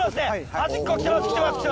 端っこきてます